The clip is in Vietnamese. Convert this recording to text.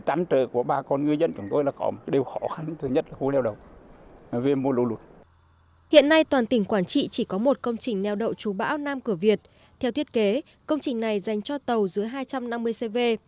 tỉnh quảng trị chỉ có một công trình neo đậu trú bão nam cửa việt theo thiết kế công trình này dành cho tàu dưới hai trăm năm mươi cv